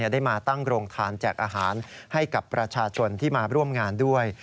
ได้มาตั้งโรงทานแจกอาหารให้กับประชาชนที่มาร่วมงานด้วย